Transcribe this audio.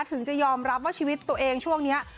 ถึงจะยอมรับว่าชีวิตตัวเองช่วงนี้